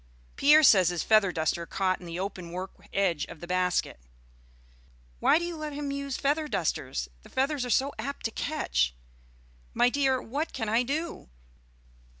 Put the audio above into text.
Pierre says his feather duster caught in the open work edge of the basket." "Why do you let him use feather dusters? The feathers are so apt to catch." "My dear, what can I do?